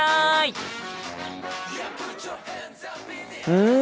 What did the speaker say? うん！